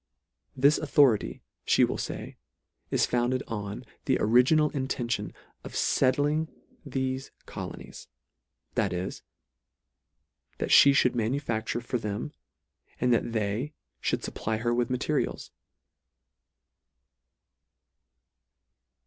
This autho rity, fhe will fay, is founded on the original intention of fettling thefe colonies ; that is, that fhe fhould manufacture for them, and that they fhould fupply her with materials.